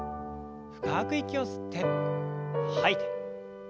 深く息を吸って吐いて。